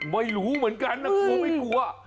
ไม่รู้เหมือนกันน่ากลัวไม่กลัว